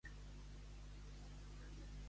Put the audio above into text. A naps, a naps.